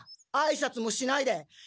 あいさつもしないで！